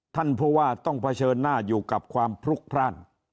ท่านผู้ว่าต้องเผชิญหน้าอยู่กับความพลุกพร่าน